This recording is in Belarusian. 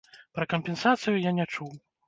Пра кампенсацыю я не чуў.